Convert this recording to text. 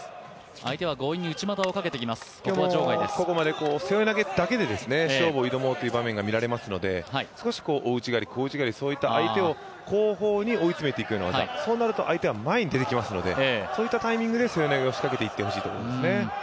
今日もここまで背負い投げで勝負を挑もうという場面がみられますので少し大内刈り、小内刈り、相手を後方に追い詰めていくような技、そうなると相手は前に出てきますので、そういったタイミングで背負い投げを仕掛けていって欲しいですね。